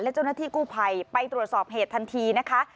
และเจ้าหน้าที่กู้ภัยไปตรวจสอบเหตุทันทีนะคะ